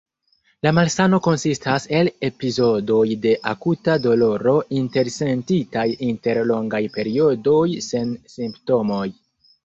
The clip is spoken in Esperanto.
La malsano konsistas el epizodoj de akuta doloro intersentitaj inter longaj periodoj sen simptomoj.